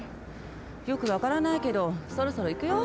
よくわからないけどそろそろいくよ。